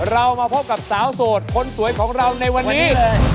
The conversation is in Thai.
เรามาพบกับสาวโสดคนสวยของเราในวันนี้